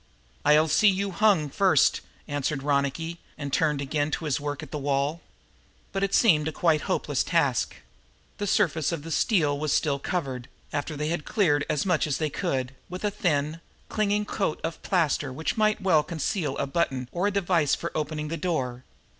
"I'll see you hung first," answered Ronicky and turned again to his work at the wall. But it seemed a quite hopeless task. The surface of the steel was still covered, after they had cleared it as much as they could, with a thin, clinging coat of plaster which might well conceal the button or device for opening the door.